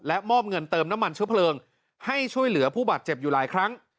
มอบเงินเติมน้ำมันเชื้อเพลิงให้ช่วยเหลือผู้บาดเจ็บอยู่หลายครั้ง